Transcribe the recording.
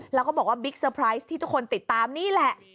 แล้วก็บอกว่าบิ๊กเซอร์ไพรส์ที่ทุกคนติดตามนี่แหละ